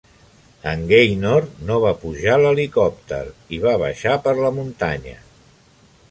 En Gaynor no va pujar a l'helicòpter, i va baixar per la muntanya.